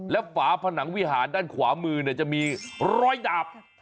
และฝาผนังวิหารด้านขวามือจะมีรอยดาบ